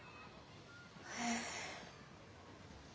へえ。